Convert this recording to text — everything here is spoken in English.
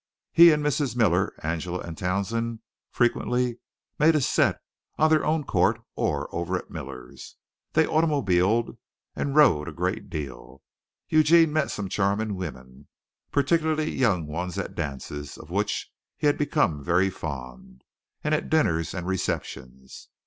He and Mrs. Miller, Angela and Townsend, frequently made a set on their own court or over at Miller's. They automobiled and rode a great deal. Eugene met some charming women, particularly young ones, at dances, of which he had become very fond, and at dinners and receptions.